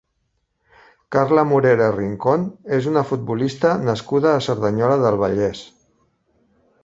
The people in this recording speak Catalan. Carla Morera Rincón és una futbolista nascuda a Cerdanyola del Vallès.